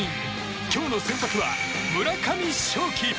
今日の先発は村上頌樹。